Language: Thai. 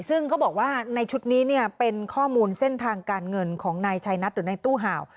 ซึ่งเขาบอกว่าในชุดนี้เนี่ยเป็นข้อมูลเส้นทางการเงินของนายชัยนัทหรือในตู้ห่าว